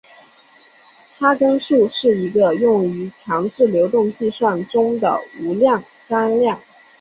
哈根数是一个用于强制流动计算中的无量纲量。